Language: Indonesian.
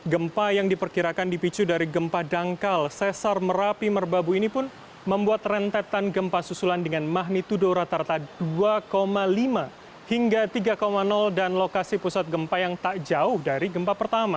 gempa yang diperkirakan dipicu dari gempa dangkal sesar merapi merbabu ini pun membuat rentetan gempa susulan dengan magnitudo rata rata dua lima hingga tiga dan lokasi pusat gempa yang tak jauh dari gempa pertama